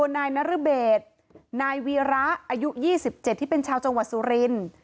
นายนรเบจที่เป็นชาวจังหวัดซุริน